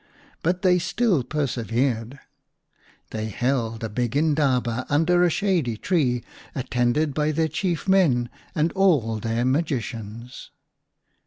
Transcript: But they still persevered. They held a big indaba 1 under a shady tree, attended by their chief men and all their magicians.